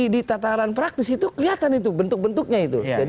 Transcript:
di tataran praktis itu kelihatan itu bentuk bentuknya itu